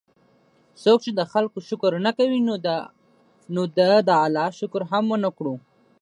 څوک چې د خلکو شکر نه کوي، نو ده د الله شکر هم ونکړو